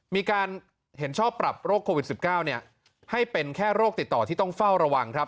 มีการเห็นชอบปรับโรคโควิด๑๙ให้เป็นแค่โรคติดต่อที่ต้องเฝ้าระวังครับ